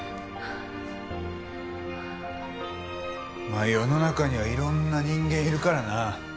まあ世の中にはいろんな人間いるからな。